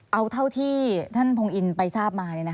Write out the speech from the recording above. เอาเท่าที่ท่านพงอินไปทราบมา